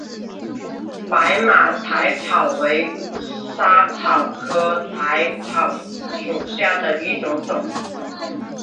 白马薹草为莎草科薹草属下的一个种。